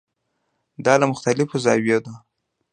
دا له مختلفو زاویو ده.